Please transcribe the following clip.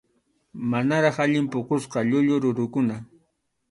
Manaraq allin puqusqa llullu rurukuna.